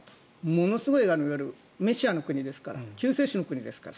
ものすごい言われるメシアの国ですから救世主の国ですから。